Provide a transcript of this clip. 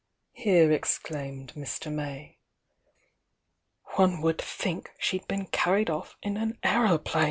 here exclaimed Mr. May. "One would think she d been carried off in an aeroplane